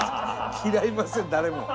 嫌いません誰も。